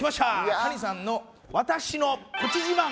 谷さんの「私のプチ自慢」！